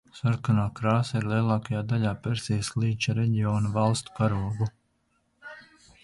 Sarkanā krāsa ir lielākajā daļā Persijas līča reģiona valstu karogu.